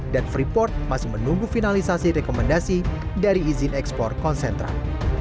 dan freeport masih menunggu finalisasi rekomendasi dari izin ekspor konsentrat